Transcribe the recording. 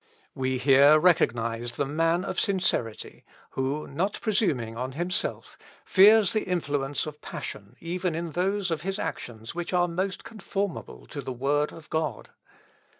We here recognise the man of sincerity, who, not presuming on himself, fears the influence of passion even in those of his actions which are most conformable to the word of God.